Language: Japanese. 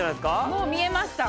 もう見えました。